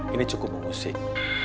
ini cukup mengusik